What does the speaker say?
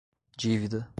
dívida